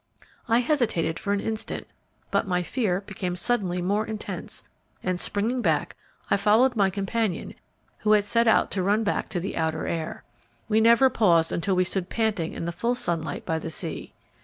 I hesitated for an instant, but my fear became suddenly more intense, and springing back, I followed my companion, who had set out to run back to the outer air. We never paused until we stood panting in the full sunlight by the sea.